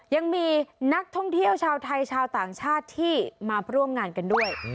ยังมีนักท่องเที่ยวชาวไทยชาวต่างชาติที่มาร่วมงานกันด้วย